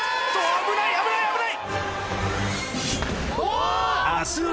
危ない危ない！